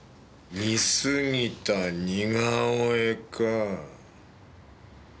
似すぎた似顔絵か。